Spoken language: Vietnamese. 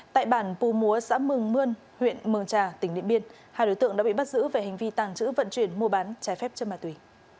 trong bản bù múa xã mường mươn huyện mường trà tỉnh điện biên hai đối tượng đã bị bắt giữ về hành vi tàng trữ vận chuyển mua bán trái phép cho ma túy